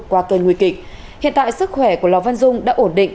qua cơn nguy kịch hiện tại sức khỏe của lò văn dung đã ổn định